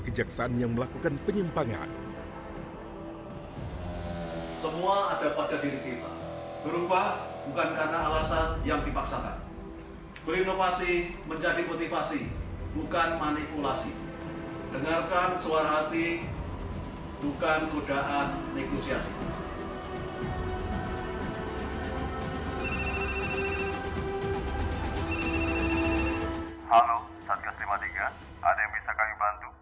bukan godaan negosiasi